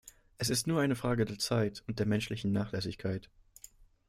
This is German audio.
Es ist nur eine Frage der Zeit und der menschlichen Nachlässigkeit.